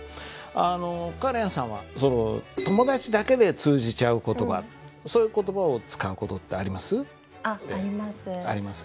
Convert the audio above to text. あのカレンさんは友達だけで通じちゃう言葉そういう言葉を使う事ってあります？